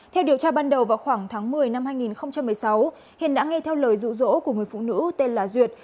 theo điều tra ban đầu vào khoảng tháng một mươi năm hai nghìn một mươi sáu hiền đã nghe theo lời rụ rỗ của người phụ nữ tên là duyệt